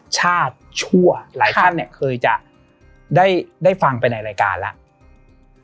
ชั่วหลายท่านเนี่ยเคยจะได้ฟังไปในรายการแล้ว